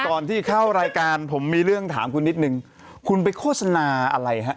ก่อนที่เข้ารายการผมมีเรื่องถามคุณนิดนึงคุณไปโฆษณาอะไรฮะ